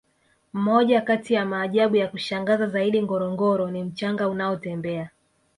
moja kati ya maajabu ya kushangaza zaidi ngorongoro ni mchanga unaotembea